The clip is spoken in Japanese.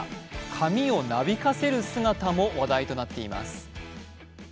髪をなびかせる姿も話題となっています。